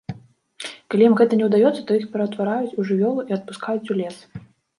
Калі ім гэта не ўдаецца, то іх пераўтвараюць у жывёлу і адпускаюць у лес.